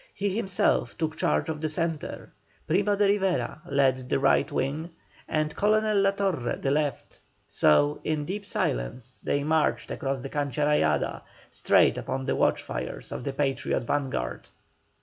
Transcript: He himself took charge of the centre, Primo de Rivera led the right wing and Colonel Latorre the left; so, in deep silence, they marched across the Cancha Rayada, straight upon the watch fires of the Patriot vanguard.